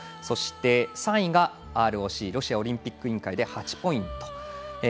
そして、３位がＲＯＣ＝ロシアオリンピック委員会で８ポイント。